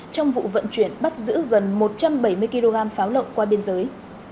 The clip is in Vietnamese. trong vụ vận chuyển bắt giữ gần một trăm bảy mươi kg pháo lậu qua biên giới